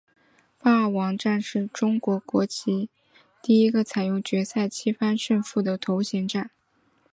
霸王战是中国围棋第一个采用决赛七番胜负的头衔战。